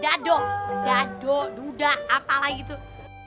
dadok dudak apalagi tuh